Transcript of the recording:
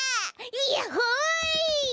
やっほい！